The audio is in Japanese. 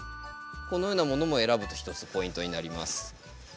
このようなものも選ぶと一つポイントになります。